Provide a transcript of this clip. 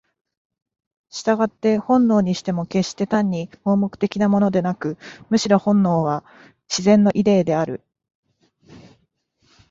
従って本能にしても決して単に盲目的なものでなく、むしろ本能は「自然のイデー」である。